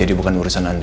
jadi bukan urusan anda